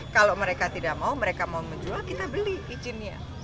kalau mereka tidak mau mereka mau menjual kita beli izinnya